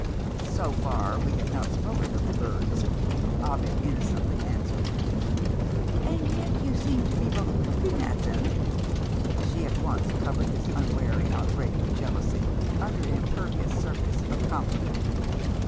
"So far, we have not spoken of the birds," Ovid innocently answered. "And yet you seemed to be both looking at them!" She at once covered this unwary outbreak of jealousy under an impervious surface of compliment.